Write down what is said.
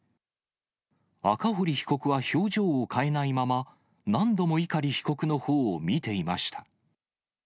赤堀被告は表情を変えないまま、何度も碇被告のほうを見ていました。